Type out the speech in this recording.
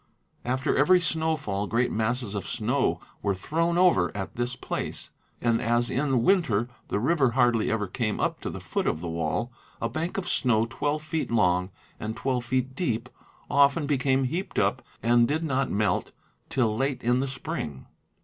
After every snowfall great masses of snow were thrown over at this place, and, as in winter the river hardly ever came up to the foot of the wall, a bank of snow twelve feet long and twelve feet deep often became heaped up and did not melt till late in the spring.